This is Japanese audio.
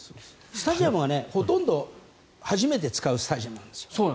スタジアムはほとんど初めて使うスタジアムなんです。